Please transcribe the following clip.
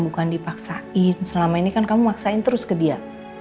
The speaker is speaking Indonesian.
bukan dipaksain selama ini kan kamu maksain terus ke dia